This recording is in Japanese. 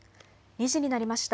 ２時になりました。